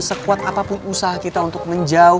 sekuat apapun usaha kita untuk menjauh